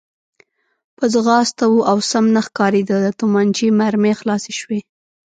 په ځغاسته و او سم نه ښکارېده، د تومانچې مرمۍ خلاصې شوې.